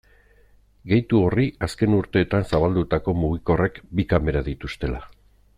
Gehitu horri azken urteetan zabaldutako mugikorrek bi kamera dituztela.